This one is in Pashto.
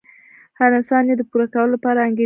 هر انسان يې د پوره کولو لپاره انګېزه لري.